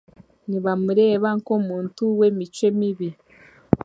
Nibamureeba nk'omuntu w'emicwe mibi.